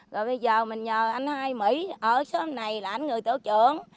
rồi bây giờ mình nhờ anh hai mỹ ở xóm này là anh người tổ trưởng